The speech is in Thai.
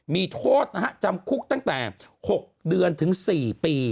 มีโทษนะฮะจำคุกตั้งแต่๖เดือนถึง๔ปี